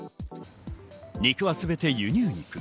肉はすべて輸入肉。